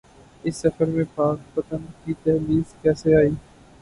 اس سفر میں پاک پتن کی دہلیز کیسے آئی؟